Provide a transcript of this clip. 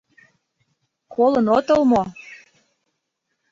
Колын отыл мо?